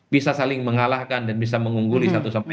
bisa saling mengalahkan dan bisa mengungguli satu sama lain